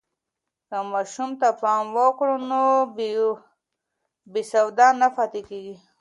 که ماشوم ته پام وکړو، نو بې سواده نه پاتې کېږي.